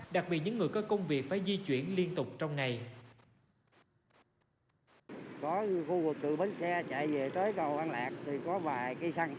đặc biệt những người có công việc phải di chuyển liên tục trong ngày